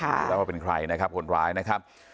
เราจะรู้ได้ว่าเป็นใครนะครับคนร้ายนะครับ